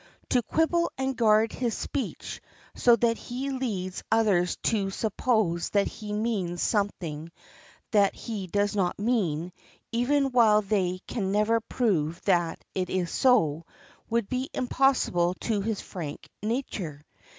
To quibble and guard his speech so that he leads others to suppose that he means something that he does not mean, even while they can never prove that it is so, would be impossible to his frank nature.